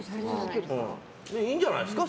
いいんじゃないですか。